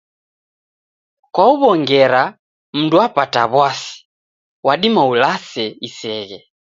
Kwahuwo ngera mndu wapata wasi wadima ulase iseghe